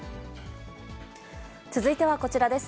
続いてはこちらです。